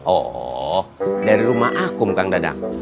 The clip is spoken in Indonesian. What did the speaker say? oh dari rumah akum kang dadang